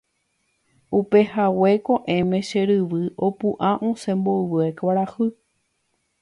Upehague ko'ẽme che ryvy opu'ã osẽ mboyve kuarahy.